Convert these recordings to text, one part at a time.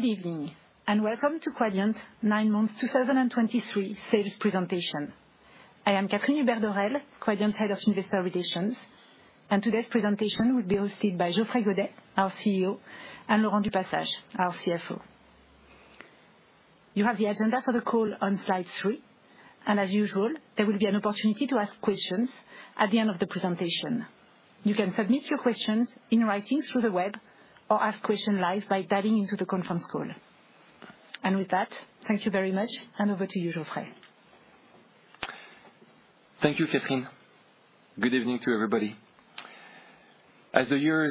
Good evening, and welcome to Quadient's Nine-month 2023 Sales Presentation. I am Catherine Hubert-Dorel, Quadient's Head of Investor Relations, and today's presentation will be hosted by Geoffrey Godet, our CEO, and Laurent du Passage, our CFO. You have the agenda for the call on slide three, and as usual, there will be an opportunity to ask questions at the end of the presentation. You can submit your questions in writing through the web, or ask questions live by dialing into the conference call. And with that, thank you very much, and over to you, Geoffrey. Thank you, Catherine. Good evening to everybody. As the year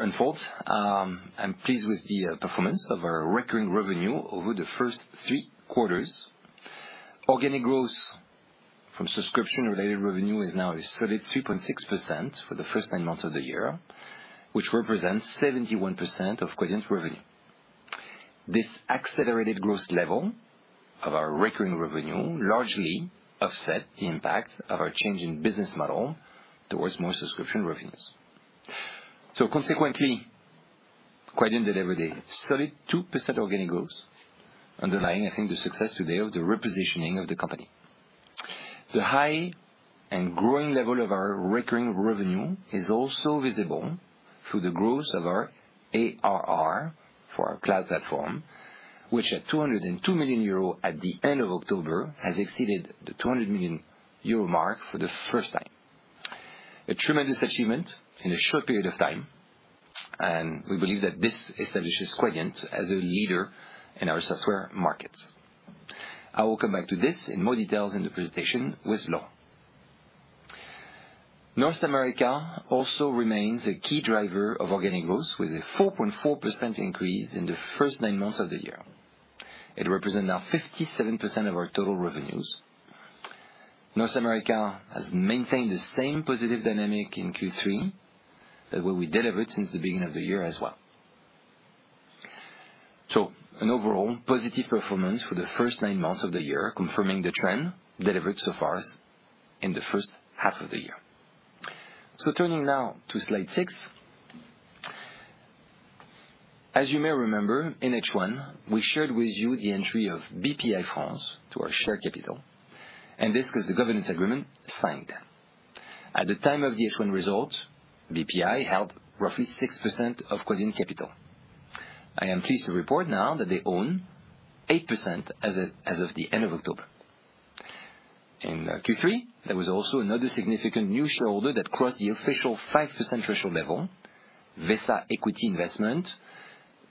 unfolds, I'm pleased with the performance of our recurring revenue over the first three quarters. Organic growth from subscription-related revenue is now a solid 3.6% for the first nine months of the year, which represents 71% of Quadient's revenue. This accelerated growth level of our recurring revenue largely offset the impact of our change in business model towards more subscription revenues. So consequently, Quadient delivered a solid 2% organic growth underlying, I think, the success today of the repositioning of the company. The high and growing level of our recurring revenue is also visible through the growth of our ARR for our cloud platform, which at 202 million euro at the end of October, has exceeded the 200 million euro mark for the first time. A tremendous achievement in a short period of time, and we believe that this establishes Quadient as a leader in our software markets. I will come back to this in more details in the presentation with Laurent. North America also remains a key driver of organic growth, with a 4.4% increase in the first nine months of the year. It represents now 57% of our total revenues. North America has maintained the same positive dynamic in Q3 as what we delivered since the beginning of the year as well. An overall positive performance for the first nine months of the year, confirming the trend delivered so far in the first half of the year. Turning now to slide six. As you may remember, in H1, we shared with you the entry of Bpifrance to our share capital, and this because the governance agreement signed. At the time of the H1 results, Bpifrance held roughly 6% of Quadient capital. I am pleased to report now that they own 8% as of, as of the end of October. In Q3, there was also another significant new shareholder that crossed the official 5% threshold level, Vesa Equity Investment.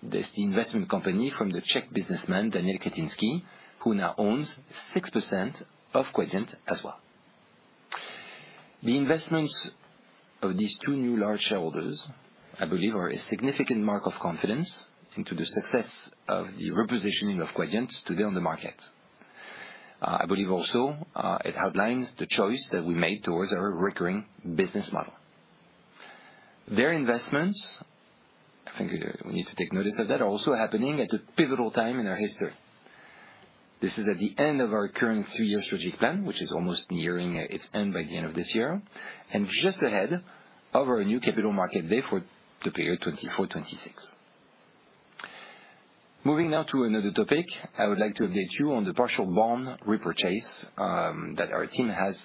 That's the investment company from the Czech businessman, Daniel Křetínský, who now owns 6% of Quadient as well. The investments of these two new large shareholders, I believe, are a significant mark of confidence into the success of the repositioning of Quadient today on the market. I believe also, it outlines the choice that we made towards our recurring business model. Their investments, I think we need to take notice of that, are also happening at a pivotal time in our history. This is at the end of our current three-year strategic plan, which is almost nearing its end by the end of this year, and just ahead of our new capital market day for the period 2024-2026. Moving now to another topic, I would like to update you on the partial bond repurchase that our team has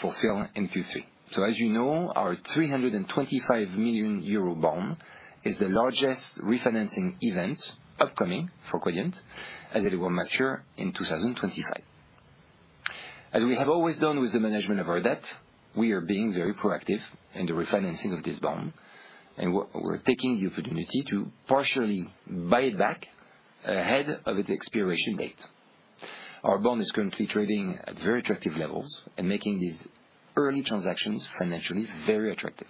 fulfilled in Q3. So as you know, our 325 million euro bond is the largest refinancing event upcoming for Quadient, as it will mature in 2025. As we have always done with the management of our debt, we are being very proactive in the refinancing of this bond, and we're taking the opportunity to partially buy it back ahead of its expiration date. Our bond is currently trading at very attractive levels and making these early transactions financially very attractive.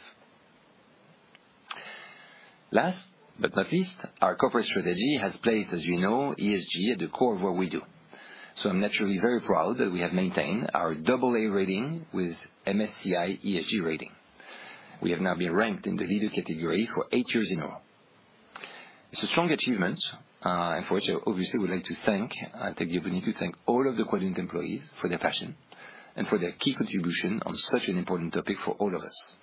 Last but not least, our corporate strategy has placed, as you know, ESG at the core of what we do. So I'm naturally very proud that we have maintained our double A rating with MSCI ESG rating. We have now been ranked in the leader category for eight years in a row. It's a strong achievement, and for which I obviously would like to take the opportunity to thank all of the Quadient employees for their passion and for their key contribution on such an important topic for all of us.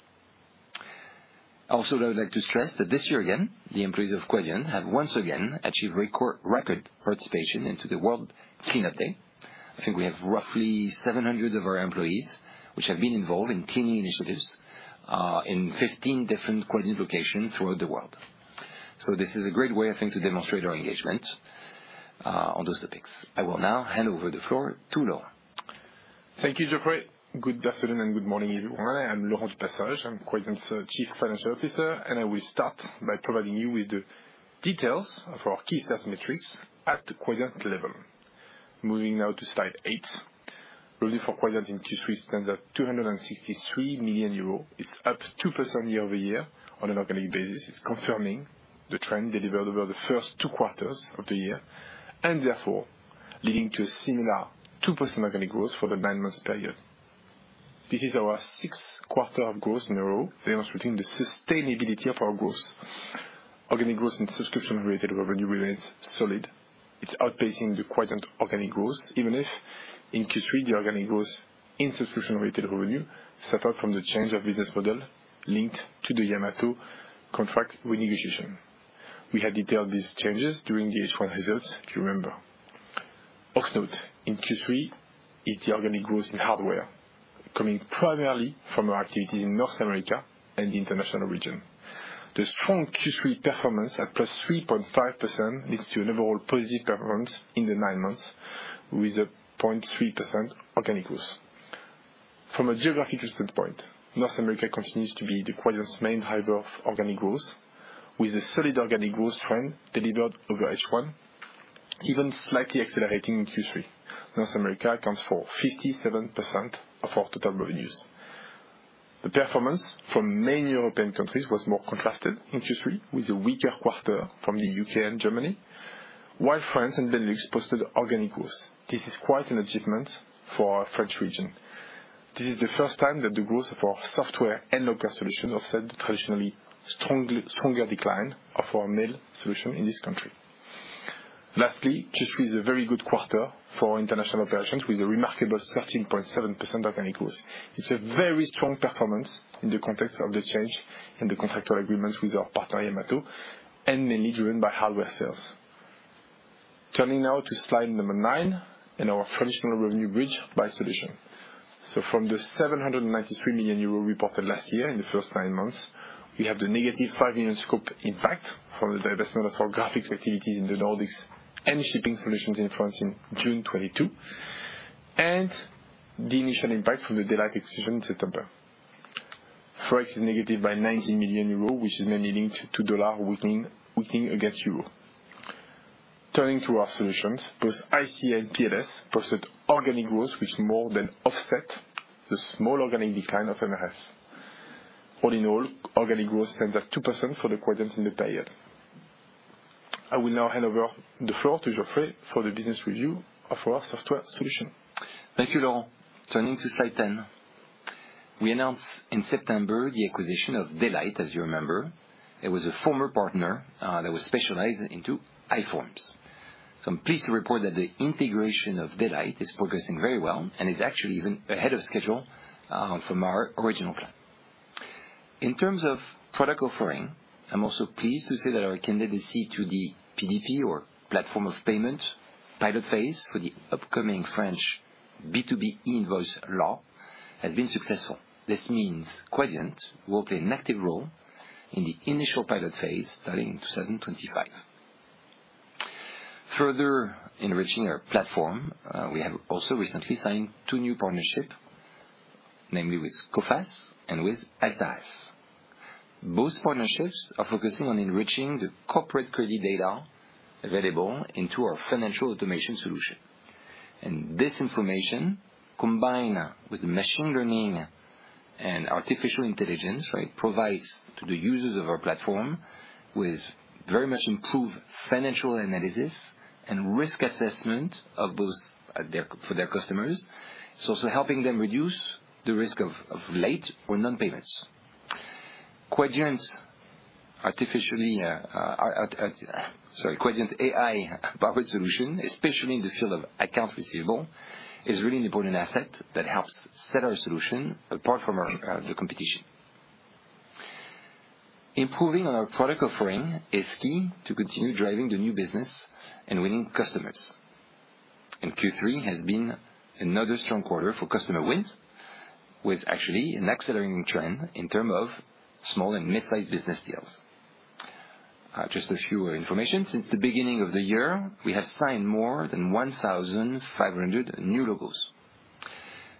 I also would like to stress that this year again, the employees of Quadient have once again achieved record, record participation into the World Cleanup Day. I think we have roughly 700 of our employees, which have been involved in cleaning initiatives in 15 different Quadient locations throughout the world. So this is a great way, I think, to demonstrate our engagement on those topics. I will now hand over the floor to Laurent. Thank you, Geoffrey. Good afternoon, and good morning, everyone. I'm Laurent du Passage. I'm Quadient's Chief Financial Officer, and I will start by providing you with the details of our key sales metrics at the Quadient level. Moving now to slide eight. Revenue for Quadient in Q3 stands at 263 million euros. It's up 2% year-over-year on an organic basis. It's confirming the trend delivered over the first two quarters of the year, and therefore leading to a similar 2% organic growth for the nine months period. This is our sixth quarter of growth in a row, demonstrating the sustainability of our growth. Organic growth in subscription-related revenue remains solid. It's outpacing the Quadient organic growth, even if in Q3, the organic growth in subscription-related revenue suffered from the change of business model linked to the Yamato contract renegotiation. We had detailed these changes during the H1 results, if you remember. Organic in Q3 is the organic growth in hardware, coming primarily from our activities in North America and the international region. The strong Q3 performance at +3.5% leads to an overall positive performance in the nine months, with a 0.3% organic growth. From a geographic standpoint, North America continues to be Quadient's main driver of organic growth, with a solid organic growth trend delivered over H1, even slightly accelerating in Q3. North America accounts for 57% of our total revenues. The performance from many European countries was more contrasted in Q3, with a weaker quarter from the U.K. and Germany, while France and Benelux posted organic growth. This is quite an achievement for our French region. This is the first time that the growth of our software and local solutions have had traditionally strongly, stronger decline of our mail solution in this country. Lastly, Q3 is a very good quarter for international operations, with a remarkable 13.7% organic growth. It's a very strong performance in the context of the change in the contractual agreements with our partner, Yamato, and mainly driven by hardware sales. Turning now to slide number nine and our traditional revenue bridge by solution. So from the 793 million euro reported last year in the first nine months, we have the -5 million scope impact from the divestment of our graphics activities in the Nordics and shipping solutions in France in June 2022, and the initial impact from the Daylight acquisition in September. Forex is negative by 90 million euros, which is mainly linked to dollar weakening, weakening against euro. Turning to our solutions, both ICA and PLS posted organic growth, which more than offset the small organic decline of MRS. All in all, organic growth stands at 2% for the Quadient in the period. I will now hand over the floor to Geoffrey for the business review of our software solution. Thank you, Laurent. Turning to slide 10. We announced in September the acquisition of Daylight, as you remember. It was a former partner that was specialized into iForms. So I'm pleased to report that the integration of Daylight is progressing very well and is actually even ahead of schedule from our original plan. In terms of product offering, I'm also pleased to say that our candidacy to the PDP, or platform of payment, pilot phase for the upcoming French B2B e-invoice law has been successful. This means Quadient will play an active role in the initial pilot phase, starting in 2025. Further enriching our platform, we have also recently signed two new partnership, namely with Coface and with Altares. Both partnerships are focusing on enriching the corporate credit data available into our financial automation solution. This information, combined with machine learning and artificial intelligence, right? Provides to the users of our platform with very much improved financial analysis and risk assessment of both their for their customers. It's also helping them reduce the risk of late or non-payments. Quadient AI powered solution, especially in the field of account receivable, is really an important asset that helps set our solution apart from our the competition. Improving on our product offering is key to continue driving the new business and winning customers. Q3 has been another strong quarter for customer wins, with actually an accelerating trend in term of small and mid-sized business deals. Just a few information. Since the beginning of the year, we have signed more than 1,500 new logos.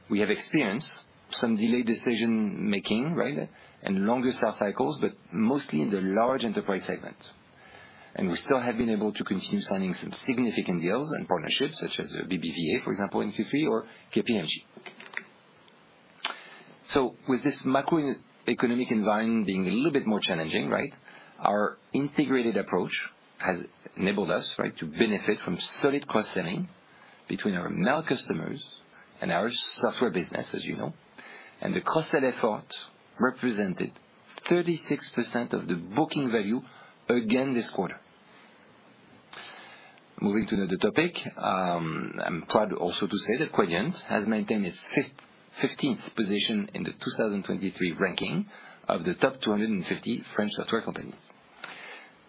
We have experienced some delayed decision-making, right, and longer sales cycles, but mostly in the large enterprise segment. We still have been able to continue signing some significant deals and partnerships, such as BBVA, for example, in Q3 or KPMG. With this macroeconomic environment being a little bit more challenging, right, our integrated approach has enabled us, right, to benefit from solid cross-selling between our mail customers and our software business, as you know, and the cross-sell effort represented 36% of the booking value again this quarter. Moving to another topic, I'm proud also to say that Quadient has maintained its 15th position in the 2023 ranking of the top 250 French software companies.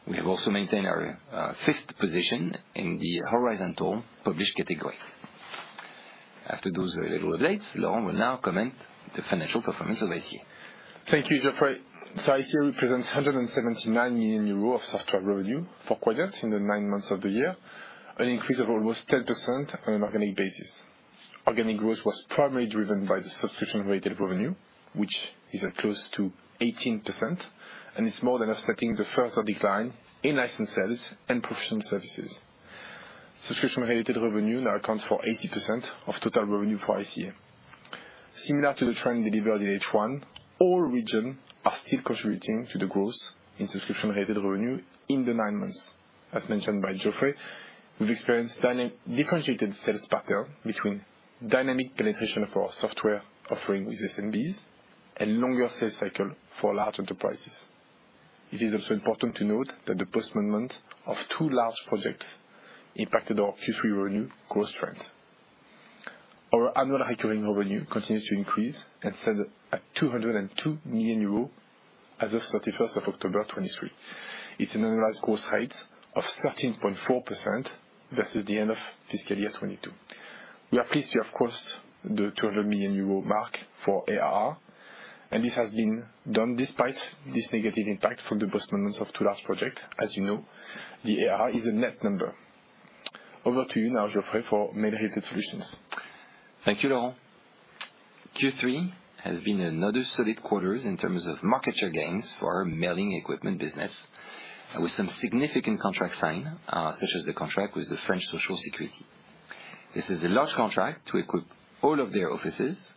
We have also maintained our 5th position in the horizontal published category. After those little updates, Laurent will now comment the financial performance of ICA. Thank you, Geoffrey. So ICA represents 179 million euro of software revenue for Quadient in the nine months of the year, an increase of almost 10% on an organic basis. Organic growth was primarily driven by the subscription-related revenue, which is at close to 18%, and it's more than offsetting the further decline in license sales and professional services. Subscription-related revenue now accounts for 80% of total revenue for ICA. Similar to the trend delivered in H1, all regions are still contributing to the growth in subscription-related revenue in the nine months. As mentioned by Geoffrey, we've experienced differentiated sales pattern between dynamic penetration of our software offering with SMBs and longer sales cycle for large enterprises. It is also important to note that the postponement of two large projects impacted our Q3 revenue growth trend. Our annual recurring revenue continues to increase and stands at 202 million euros as of thirty-first of October 2023. It's an annualized growth rate of 13.4% versus the end of fiscal year 2022. We are pleased to have crossed the 200 million euro mark for ARR, and this has been done despite this negative impact from the postponements of two large projects. As you know, the ARR is a net number. Over to you now, Geoffrey, for Mail-Related Solutions. Thank you, Laurent. Q3 has been another solid quarter in terms of market share gains for our mailing equipment business, with some significant contracts signed, such as the contract with the French Social Security. This is a large contract to equip all of their offices,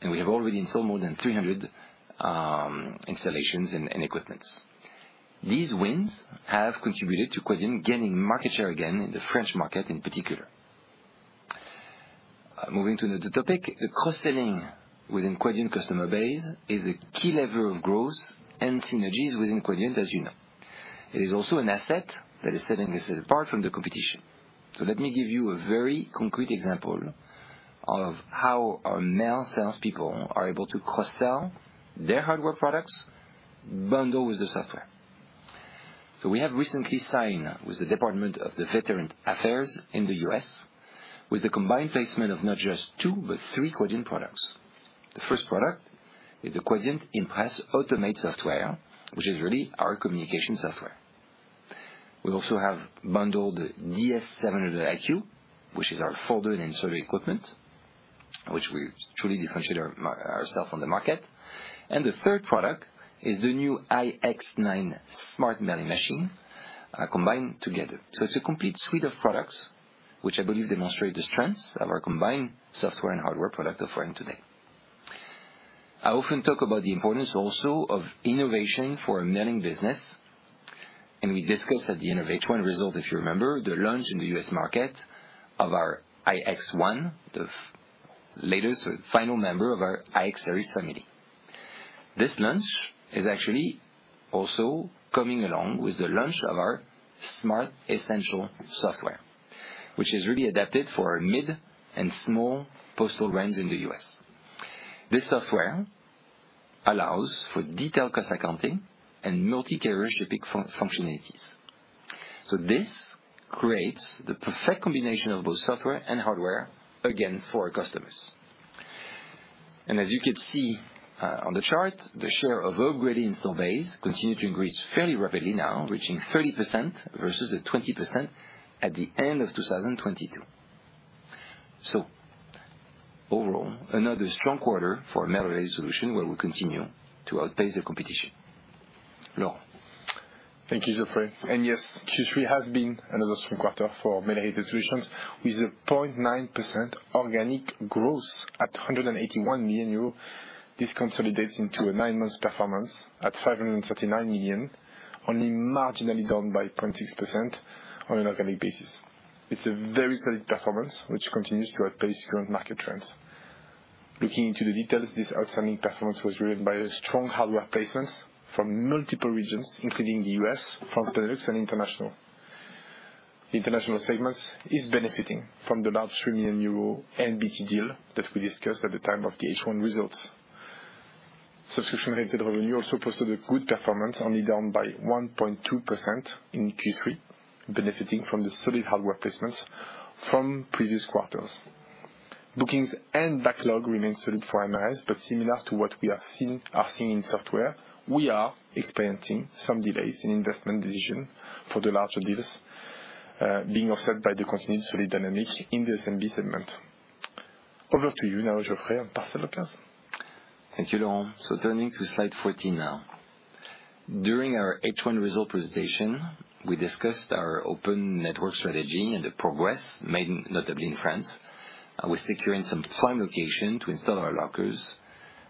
and we have already installed more than 300 installations and equipment. These wins have contributed to Quadient gaining market share again in the French market in particular. Moving to another topic, cross-selling within Quadient customer base is a key lever of growth and synergies within Quadient, as you know. It is also an asset that is setting us apart from the competition. So let me give you a very concrete example of how our mail salespeople are able to cross-sell their hardware products bundled with the software. So we have recently signed with the Department of Veterans Affairs in the U.S. with the combined placement of not just two, but three Quadient products. The first product is the Quadient Impress Automate software, which is really our communication software. We also have bundled DS-700 iQ, which is our folder and inserter equipment, which we truly differentiate ourselves on the market. And the third product is the new iX-9 S.M.A.R.T. mailing machine, combined together. So it's a complete suite of products, which I believe demonstrate the strength of our combined software and hardware product offering today. I often talk about the importance also of innovation for our mailing business, and we discussed at the end of H1 result, if you remember, the launch in the U.S. market of our iX-1, the latest final member of our iX Series family. This launch is actually also coming along with the launch of our S.M.A.R.T. Essential software, which is really adapted for mid and small postal brands in the U.S. This software allows for detailed cost accounting and multi-carrier shipping functionalities. So this creates the perfect combination of both software and hardware, again, for our customers. And as you can see, on the chart, the share of upgraded install base continued to increase fairly rapidly, now reaching 30% versus the 20% at the end of 2022. So overall, another strong quarter for Mailing Solution, where we continue to outpace the competition. Laurent? Thank you, Geoffrey. Yes, Q3 has been another strong quarter for Mailing Solutions, with 0.9% organic growth at 181 million euro. This consolidates into a nine-month performance at 539 million, only marginally down by 0.6% on an organic basis. It's a very solid performance, which continues to outpace current market trends. Looking into the details, this outstanding performance was driven by a strong hardware placements from multiple regions, including the U.S., France, Benelux and International. The International segment is benefiting from the large 3 million euro NPT deal that we discussed at the time of the H1 results. Subscription-related revenue also posted a good performance, only down by 1.2% in Q3, benefiting from the solid hardware placements from previous quarters. Bookings and backlog remain solid for MILs, but similar to what we have seen, are seeing in software, we are experiencing some delays in investment decision for the larger business, being offset by the continued solid dynamic in the SMB segment. Over to you now, Geoffrey, on Parcel Locker. Thank you, Laurent. So turning to slide 14 now. During our H1 result presentation, we discussed our open network strategy and the progress made, notably in France, with securing some prime location to install our Lockers,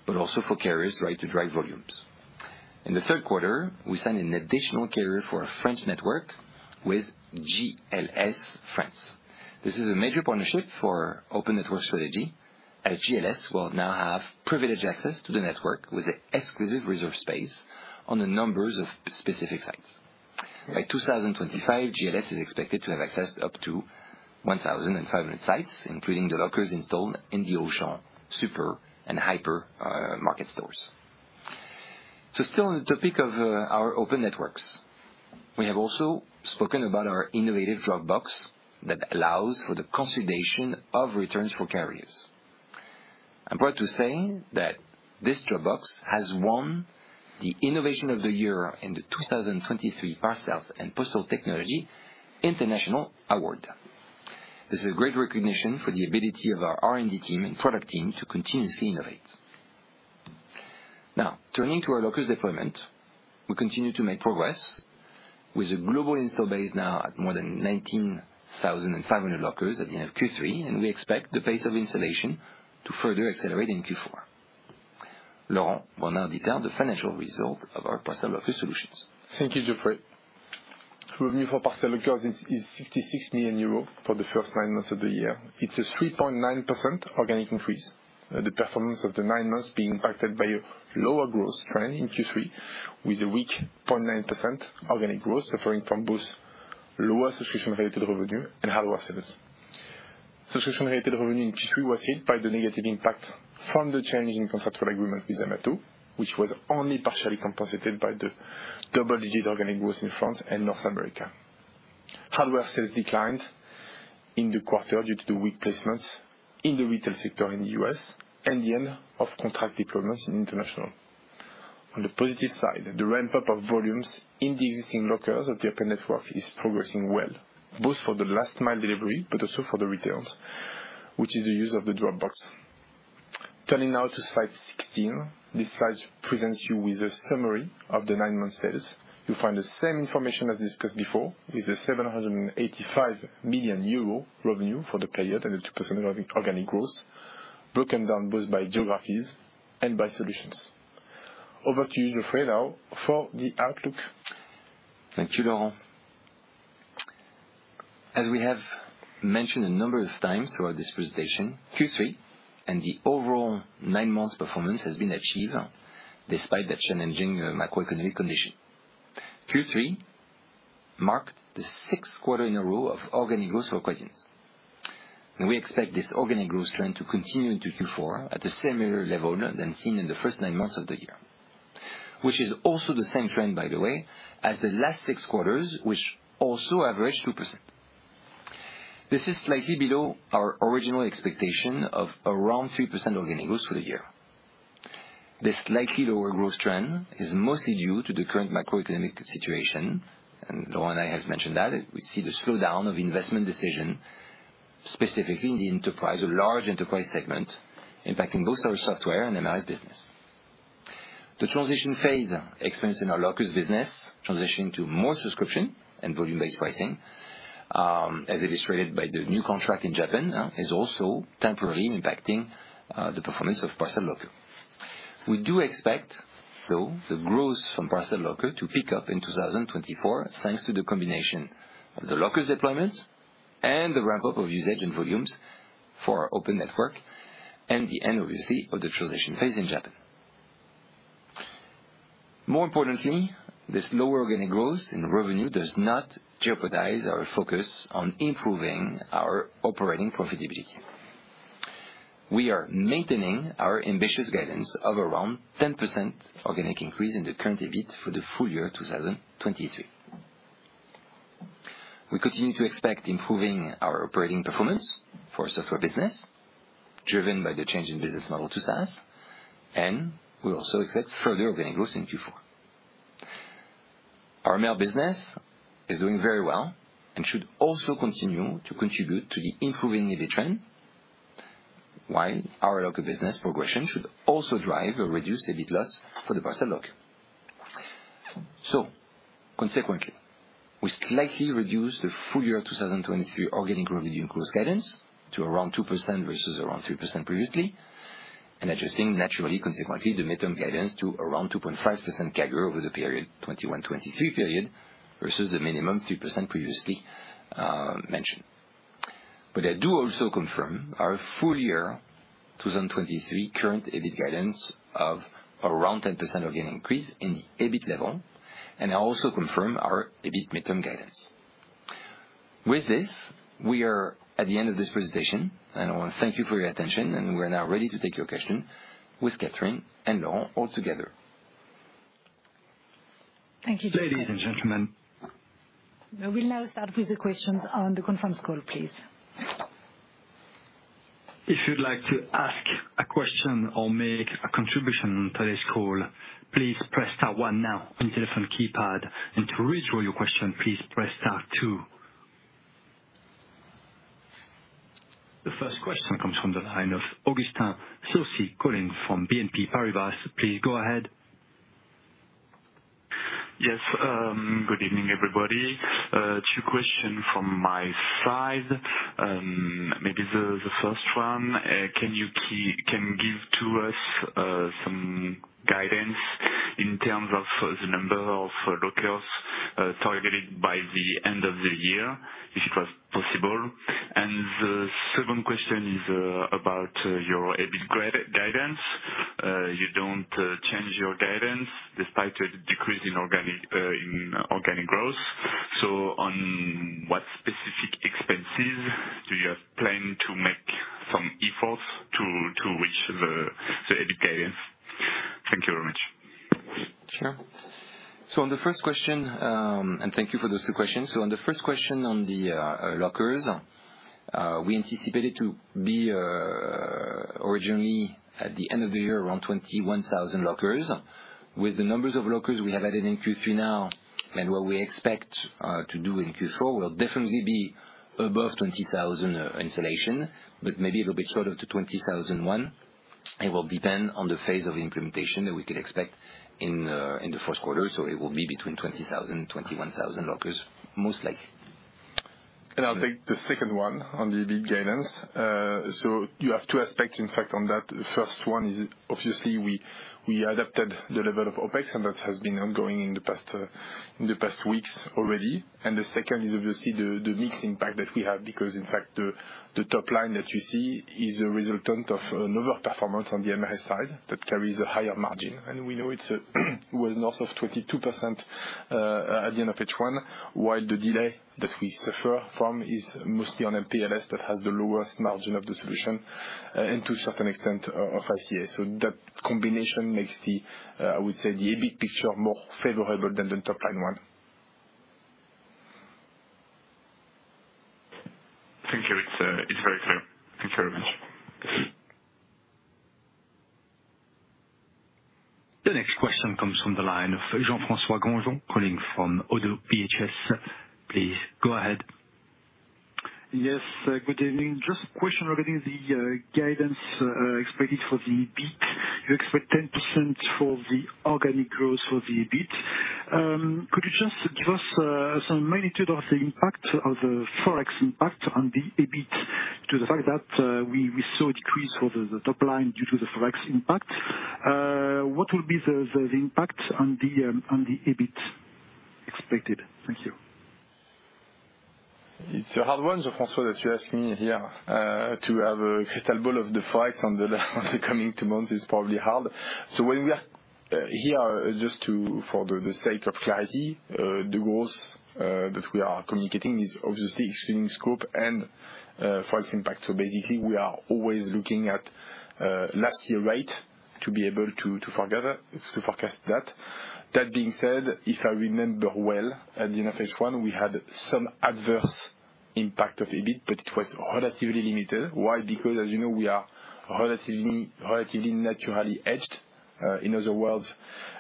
but also for carriers, right, to drive volumes. In the third quarter, we signed an additional carrier for our French network with GLS France. This is a major partnership for open network strategy, as GLS will now have privileged access to the network with exclusive reserve space on a number of specific sites. By 2025, GLS is expected to have access to up to 1,500 sites, including the Lockers installed in the Auchan super and hyper market stores. So still on the topic of our open networks, we have also spoken about our innovative Dropbox that allows for the consolidation of returns for carriers. I'm proud to say that this Dropbox has won the Innovation of the Year in the 2023 Parcels and Postal Technology International Award. This is great recognition for the ability of our R&D team and product team to continuously innovate. Now, turning to our Lockers deployment, we continue to make progress with a global install base now at more than 19,500 Lockers at the end of Q3, and we expect the pace of installation to further accelerate in Q4. Laurent will now detail the financial results of our Parcel Locker Solutions. Thank you, Geoffrey. Revenue for Parcel Lockers is 66 million euros for the first nine months of the year. It's a 3.9% organic increase. The performance of the nine months being impacted by a lower growth trend in Q3, with a weak 0.9% organic growth, suffering from both lower subscription-related revenue and hardware sales. Subscription-related revenue in Q3 was hit by the negative impact from the change in contractual agreement with Yamato, which was only partially compensated by the double-digit organic growth in France and North America. Hardware sales declined in the quarter due to the weak placements in the retail sector in the U.S. and the end of contract deployments in international. On the positive side, the ramp-up of volumes in the existing Lockers of the open network is progressing well, both for the last mile delivery, but also for the retail, which is the use of the Dropbox. Turning now to slide 16. This slide presents you with a summary of the nine-month sales. You'll find the same information as discussed before, with the 785 million euro revenue for the period, and the 2% organic growth, broken down both by geographies and by solutions. Over to you, Geoffrey, now, for the outlook. Thank you, Laurent. As we have mentioned a number of times throughout this presentation, Q3 and the overall nine months performance has been achieved despite the challenging macroeconomic condition. Q3 marked the sixth quarter in a row of organic growth for Quadient, and we expect this organic growth trend to continue into Q4 at a similar level than seen in the first nine months of the year. Which is also the same trend, by the way, as the last six quarters, which also averaged 2%. This is slightly below our original expectation of around 3% organic growth for the year. This slightly lower growth trend is mostly due to the current macroeconomic situation, and Laurent and I have mentioned that. We see the slowdown of investment decision, specifically in the enterprise or large enterprise segment, impacting both our software and MRS business. The transition phase experienced in our Lockers business, transitioning to more subscription and volume-based pricing, as illustrated by the new contract in Japan, is also temporarily impacting the performance of Parcel Locker. We do expect, though, the growth from Parcel Locker to pick up in 2024, thanks to the combination of the Lockers deployments and the ramp-up of usage and volumes for our open network and the end, obviously, of the transition phase in Japan. More importantly, this lower organic growth in revenue does not jeopardize our focus on improving our operating profitability. We are maintaining our ambitious guidance of around 10% organic increase in the Current EBIT for the full year 2023. We continue to expect improving our operating performance for our software business, driven by the change in business model to SaaS, and we also expect further organic growth in Q4. Our mail business is doing very well and should also continue to contribute to the improving EBIT trend, while our local business progression should also drive a reduced EBIT loss for the Parcel Locker. So consequently, we slightly reduced the full year 2023 organic revenue growth guidance to around 2% versus around 3% previously. And adjusting naturally, consequently, the midterm guidance to around 2.5% CAGR over the period, 2021-2023 period, versus the minimum 3% previously, mentioned. But I do also confirm our full year 2023 Current EBIT guidance of around 10% organic increase in the Current EBIT level, and I also confirm our Current EBIT midterm guidance. With this, we are at the end of this presentation, and I want to thank you for your attention, and we're now ready to take your question with Catherine and Laurent all together. Thank you. Ladies and gentlemen, We'll now start with the questions on the conference call, please. If you'd like to ask a question or make a contribution to this call, please press star one now on your telephone keypad, and to withdraw your question, please press star two. The first question comes from the line of Uncertain, calling from BNP Paribas. Please go ahead. Yes, good evening, everybody. Two questions from my side. Maybe the first one, can you give to us some guidance in terms of the number of Lockers targeted by the end of the year, if it was possible? And the second question is about your EBIT guidance. You don't change your guidance despite a decrease in organic growth. So on what specific expenses do you plan to make some efforts to reach the EBIT guidance? Thank you very much. Sure. So on the first question. And thank you for those two questions. So on the first question, on the, Lockers, we anticipated to be, originally at the end of the year, around 21,000 Lockers. With the numbers of Lockers we have added in Q3 now, and what we expect, to do in Q4, will definitely be above 20,000 installation, but maybe a little bit shorter to 20,001. It will depend on the phase of implementation that we can expect in, in the first quarter, so it will be between 20,000 and 21,000 Lockers, most likely. I'll take the second one on the EBIT guidance. So you have two aspects, in fact, on that. First one is obviously we adapted the level of OpEx, and that has been ongoing in the past, in the past weeks already. And the second is obviously the mix impact that we have, because, in fact, the top line that you see is a resultant of another performance on the MRS side that carries a higher margin. And we know it was north of 22%, at the end of H1, while the delay that we suffer from is mostly on PLS, that has the lowest margin of the solution, and to a certain extent, of ICA. So that combination makes the, I would say, the EBIT picture more favorable than the top line one. Thank you. It's, it's very clear. Thank you very much. The next question comes from the line of Jean-François Granjon, calling from Oddo BHF. Please, go ahead. Yes, good evening. Just a question regarding the guidance expected for the EBIT. You expect 10% for the organic growth for the EBIT. Could you just give us some magnitude of the impact of the FX impact on the EBIT, to the fact that we saw a decrease for the top line due to the FX impact? What will be the impact on the EBIT expected? Thank you. It's a hard one, Jean-François, that you're asking me here. To have a crystal ball of the FX on the coming two months is probably hard. So when we are here, just to, for the sake of clarity, the growth that we are communicating is obviously excluding scope and FX impact. So basically, we are always looking at last year, right, to be able to forecast that. That being said, if I remember well, at the end of H1, we had some adverse impact of EBIT, but it was relatively limited. Why? Because, as you know, we are relatively naturally hedged. In other words,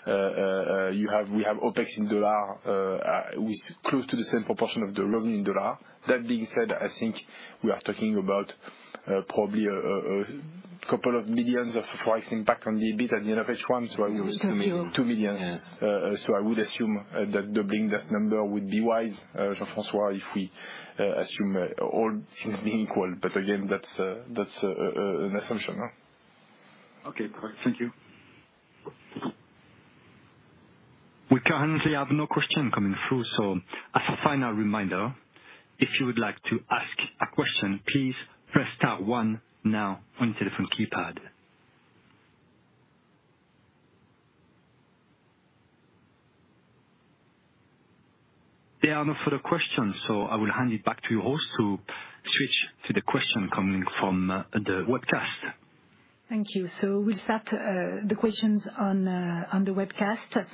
we have OpEx in U.S. dollars with close to the same proportion of revenue in U.S. dollars. That being said, I think we are talking about probably a couple of million EUR FX impact on the EBIT at the end of H1, so I would assume 2 million. Thank you. So I would assume that doubling that number would be wise, Jean-François, if we assume all things being equal, but again, that's an assumption, no? Okay, perfect. Thank you. We currently have no question coming through, so as a final reminder, if you would like to ask a question, please press star one now on your telephone keypad. There are no further questions, so I will hand it back to you, host, to switch to the question coming from the webcast. Thank you. We'll start the questions on the webcast.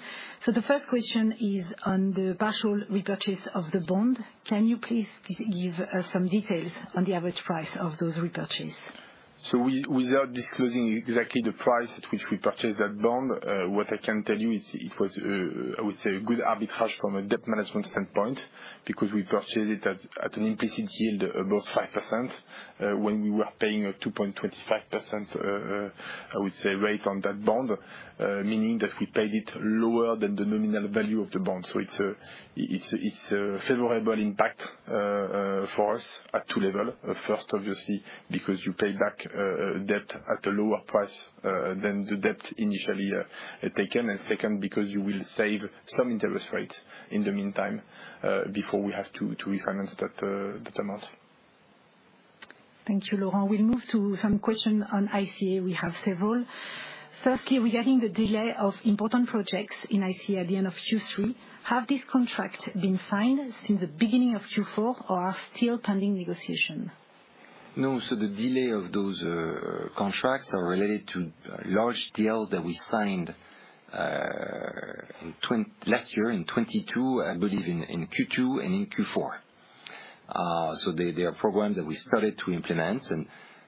The first question is on the partial repurchase of the bond. Can you please give some details on the average price of those repurchase? So we, without disclosing exactly the price at which we purchased that bond, what I can tell you is it was, I would say, a good arbitrage from a debt management standpoint, because we purchased it at an implicit yield, about 5%, when we were paying a 2.25%, I would say, rate on that bond. Meaning that we paid it lower than the nominal value of the bond. So it's a favorable impact, for us at two level. First, obviously, because you pay back debt at a lower price, than the debt initially taken. And second, because you will save some interest rates in the meantime, before we have to refinance that amount. Thank you, Laurent. We'll move to some question on ICA. We have several. Firstly, regarding the delay of important projects in ICA at the end of Q3, have these contracts been signed since the beginning of Q4 or are still pending negotiation? No, so the delay of those contracts are related to large deals that we signed in last year in 2022, I believe in Q2 and in Q4. So they are programs that we started to implement, and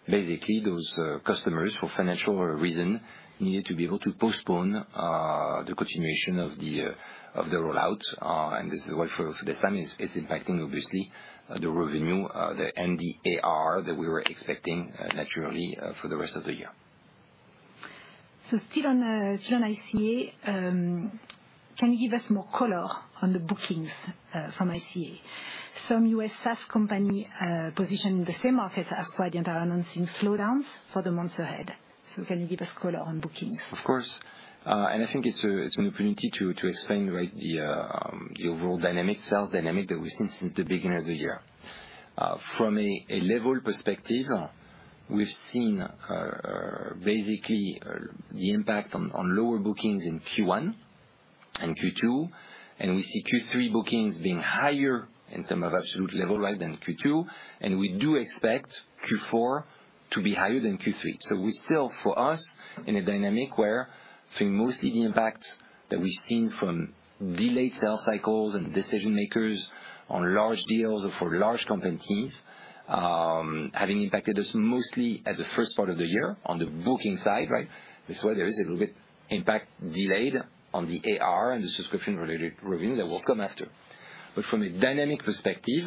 basically, those customers, for financial reason, needed to be able to postpone the continuation of the rollout. And this is why for the time, it's impacting, obviously, the revenue, the NDAR that we were expecting, naturally, for the rest of the year. So still on, still on ICA, can you give us more color on the bookings from ICA? Some U.S. SaaS company positioned in the same market are quite announcing slowdowns for the months ahead. So can you give us color on bookings? Of course. And I think it's an opportunity to explain, right, the overall dynamic, sales dynamic that we've seen since the beginning of the year. From a level perspective, we've seen basically the impact on lower bookings in Q1 and Q2, and we see Q3 bookings being higher in terms of absolute level, right, than Q2. And we do expect Q4 to be higher than Q3. So we still, for us, in a dynamic where I think mostly the impact that we've seen from delayed sales cycles and decision makers on large deals for large companies having impacted us mostly at the first part of the year on the booking side, right? That's why there is a little bit impact delayed on the AR and the subscription-related revenue that will come after. But from a dynamic perspective,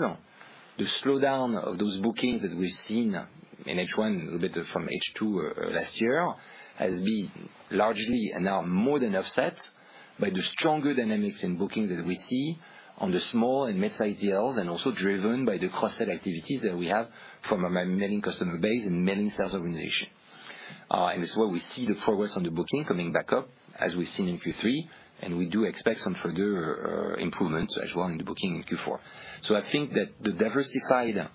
the slowdown of those bookings that we've seen in H1, a little bit from H2 last year, has been largely and now more than offset by the stronger dynamics in bookings that we see on the small and mid-size deals, and also driven by the cross-sell activities that we have from our mailing customer base and mailing sales organization. And this is where we see the progress on the booking coming back up, as we've seen in Q3, and we do expect some further improvements as well in the booking in Q4. So I think that the diversified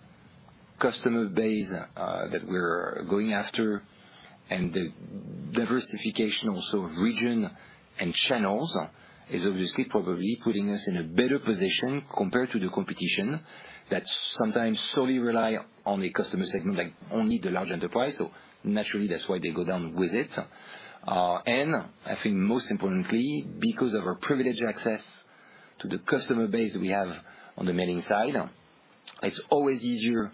customer base, that we're going after, and the diversification also of region and channels, is obviously probably putting us in a better position compared to the competition, that sometimes solely rely on the Customer segment, like, only the large enterprise, so naturally, that's why they go down with it. I think most importantly, because of our privileged access to the customer base we have on the mailing side, it's always easier to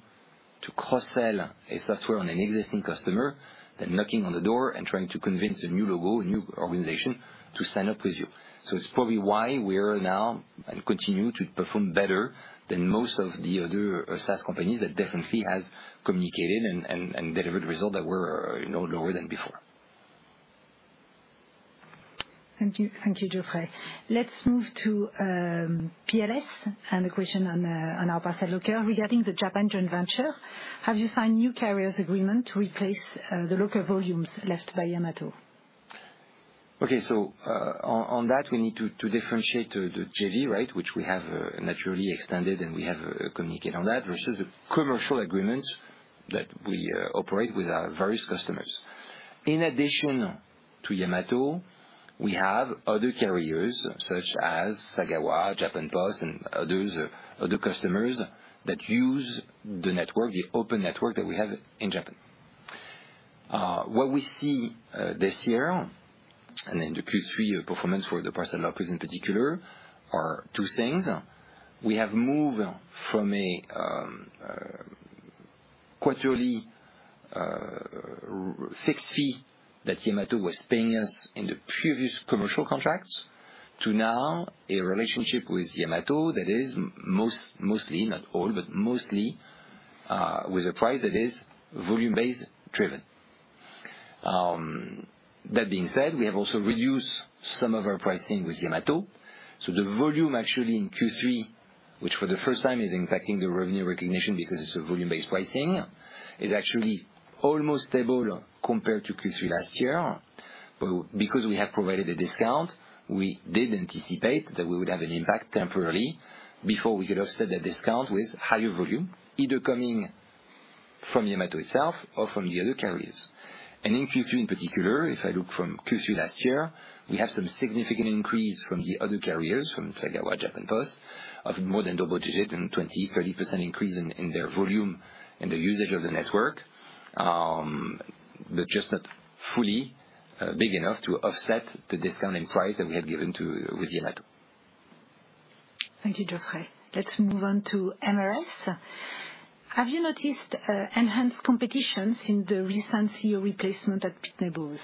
cross-sell a software on an existing customer than knocking on the door and trying to convince a new logo, a new organization to sign up with you. So it's probably why we are now and continue to perform better than most of the other SaaS companies that definitely has communicated and delivered results that were, you know, lower than before. Thank you. Thank you, Geoffrey. Let's move to PLS, and a question on our Parcel Locker. Regarding the Japan joint venture, have you signed new carriers agreement to replace the local volumes left by Yamato? Okay. So, on that, we need to differentiate the JV, right? Which we have naturally extended, and we have communicated on that, versus the commercial agreements that we operate with our various customers. In addition to Yamato, we have other carriers, such as Sagawa, Japan Post, and others, other customers, that use the network, the open network that we have in Japan. What we see this year, and in the Q3 performance for the Parcel Lockers in particular, are two things. We have moved from a quarterly fixed fee that Yamato was paying us in the previous commercial contracts, to now a relationship with Yamato that is mostly, not all, but mostly, with a price that is volume-based driven. That being said, we have also reduced some of our pricing with Yamato, so the volume actually in Q3, which for the first time is impacting the revenue recognition because it's a volume-based pricing, is actually almost stable compared to Q3 last year. But because we have provided a discount, we did anticipate that we would have an impact temporarily before we could offset that discount with higher volume, either coming from Yamato itself or from the other carriers. And in Q3, in particular, if I look from Q3 last year, we have some significant increase from the other carriers, from Sagawa, Japan Post, of more than double-digit and 20%-30% increase in their volume and the usage of the network. But just not fully big enough to offset the discount in price that we had given to Yamato. Thank you, Geoffrey. Let's move on to MRS. Have you noticed, enhanced competitions in the recent CEO replacement at Pitney Bowes?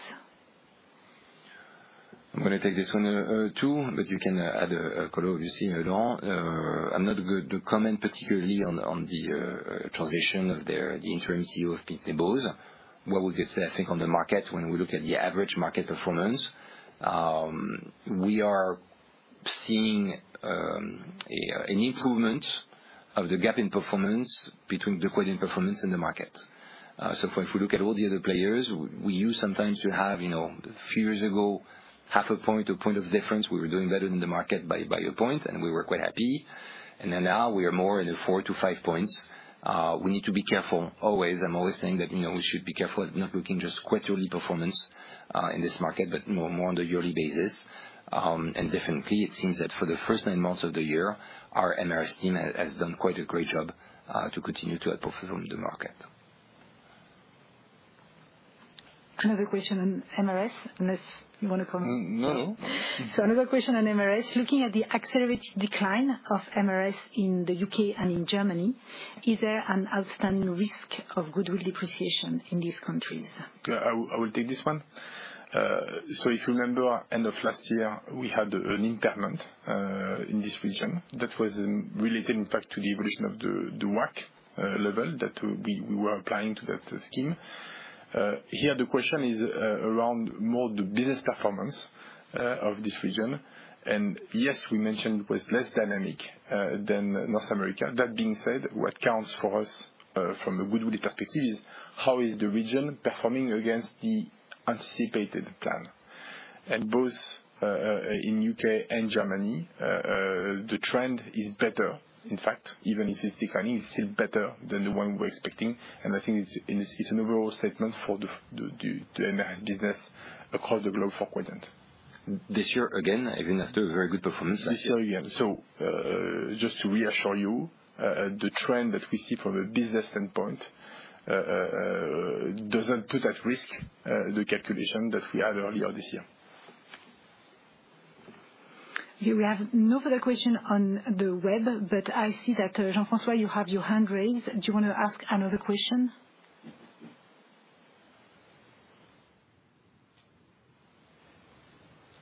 I'm gonna take this one, too, but you can add a follow, obviously, Laurent. I'm not going to comment particularly on, on the, transition of their the interim CEO of Pitney Bowes. What we could say, I think, on the market, when we look at the average market performance, we are seeing, an improvement of the gap in performance between the Quadient performance and the market. So if we look at all the other players, we used sometimes to have, you know, a few years ago, half a point or one point of difference. We were doing better than the market by, by one point, and we were quite happy. And then now we are more in the four to five points. We need to be careful always. I'm always saying that, you know, we should be careful not looking just quarterly performance in this market, but more on the yearly basis. And definitely, it seems that for the first nine months of the year, our MRS team has done quite a great job to continue to outprofit from the market. Another question on MRS, unless you want to comment? No, no. Another question on MRS. Looking at the accelerated decline of MRS in the U.K. and in Germany, is there an outstanding risk of goodwill depreciation in these countries? Yeah, I will, I will take this one. So if you remember, end of last year, we had an impairment in this region that was related, in fact, to the evolution of the WACC level that we were applying to that scheme. Here, the question is around more the business performance of this region. And yes, we mentioned it was less dynamic than North America. That being said, what counts for us from a goodwill perspective is, how is the region performing against the anticipated plan? And both in U.K. and Germany the trend is better. In fact, even if it's declining, it's still better than the one we're expecting, and I think it's an overall statement for the MRS business across the globe for Quadient. This year, again, even after a very good performance last year. So, yeah. So, just to reassure you, the trend that we see from a business standpoint doesn't put at risk the calculation that we had earlier this year. Yeah, we have no further question on the web, but I see that, Jean-François, you have your hand raised. Do you want to ask another question?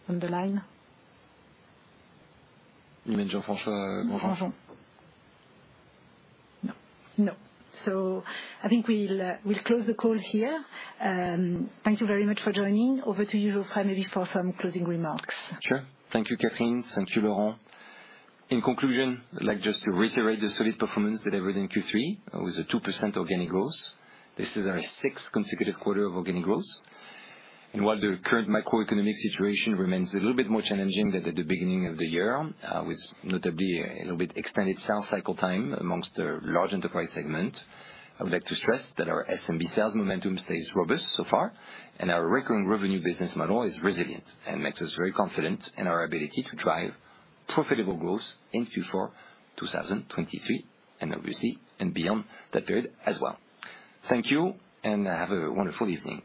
On the line? Jean-François Granjon. Gronjon. No. No, so I think we'll, we'll close the call here. Thank you very much for joining. Over to you, Geoffrey, maybe for some closing remarks. Sure. Thank you, Catherine. Thank you, Laurent. In conclusion, I'd like just to reiterate the solid performance delivered in Q3, with a 2% organic growth. This is our sixth consecutive quarter of organic growth. And while the current macroeconomic situation remains a little bit more challenging than at the beginning of the year, with notably a little bit extended sales cycle time amongst the large enterprise segment, I would like to stress that our SMB sales momentum stays robust so far, and our recurring revenue business model is resilient and makes us very confident in our ability to drive profitable growth in Q4 2023, and obviously, and beyond that period as well. Thank you, and have a wonderful evening.